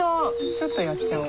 ちょっとやっちゃおう。